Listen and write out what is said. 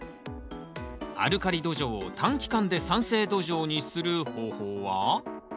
アルカリ土壌を短期間で酸性土壌にする方法は？